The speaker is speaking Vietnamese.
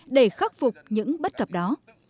để khắc phục những bất cập đó